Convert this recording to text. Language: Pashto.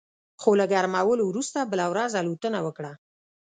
خو له ګرمولو وروسته بله ورځ الوتنه وکړه